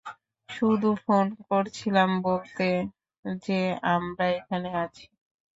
শুধু ফোন করছিলাম বলতে যে আমরা এখানে আছি।